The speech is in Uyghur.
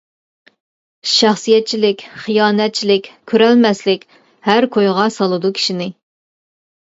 شەخسىيەتچىلىك، خىيانەتچىلىك، كۆرەلمەسلىك ھەر كويغا سالىدۇ كىشىنى.